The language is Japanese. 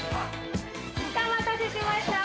お待たせしました。